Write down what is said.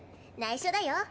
ないしょだよ。